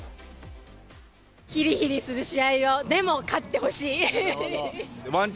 ひりひりする試合を、でも勝ってほしい。